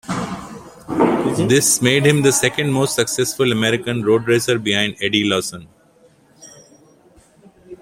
This made him the second most successful American roadracer behind Eddie Lawson.